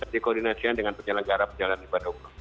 dikenasian dengan penyelenggaraan ibadah umroh